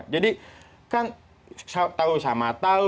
jadi kan tahu sama tahu